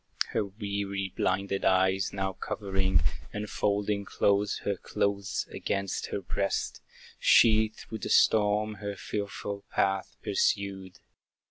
Her weary, blinded eyes now covering, And folding close her clothes against her breast, She through the storm her fearful path pursued.